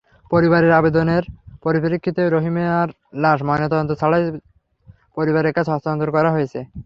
পরিবারের আবেদনের পরিপ্রেক্ষিতে রহিমার লাশ ময়নাতদন্ত ছাড়াই পরিবারের কাছে হস্তান্তর করা হয়েছে।